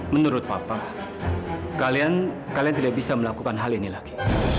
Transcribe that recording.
menurut papa kalian tidak bisa melakukan hal ini lagi